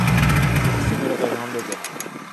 اسے میرا پیغام دے دینا